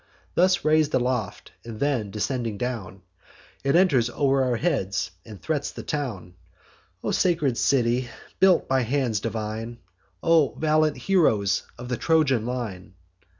Thus rais'd aloft, and then descending down, It enters o'er our heads, and threats the town. O sacred city, built by hands divine! O valiant heroes of the Trojan line!